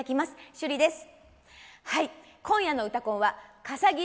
趣里です。